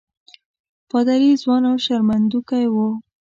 پادري ځوان او شرمېدونکی وو.